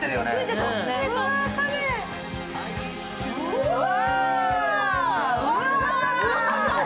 うわ！